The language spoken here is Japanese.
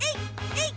えい！